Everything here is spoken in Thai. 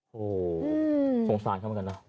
โหสงสารเข้ามากันแล้ว